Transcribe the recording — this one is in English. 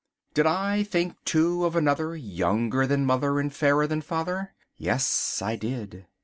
Did I think, too, of another, younger than mother and fairer than father? Yes, I did.